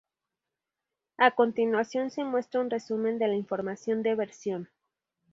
A continuación se muestra un resumen de la información de versión.